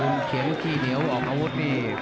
อุ๊มเคลียวขี้เหนียวออกอาวุธนี่